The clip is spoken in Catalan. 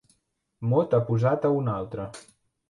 Mot aposat a un altre.